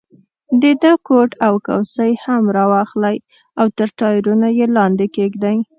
د ده کوټ او کوسۍ هم را واخلئ او تر ټایرونو یې لاندې کېږدئ.